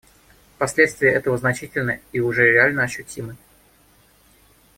Последствия этого значительны и уже реально ощутимы.